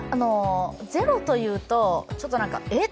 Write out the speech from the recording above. ゼロというと、ちょっとなんか、えっ？